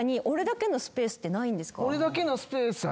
俺だけのスペースは。